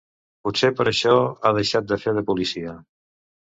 Potser per això ha deixat de fer de policia.